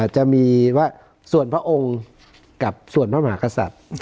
จะมีว่าส่วนพระองค์กับส่วนพระมหากษัตริย์